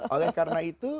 oleh karena itu